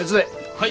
はい！